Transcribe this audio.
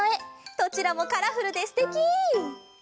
どちらもカラフルですてき！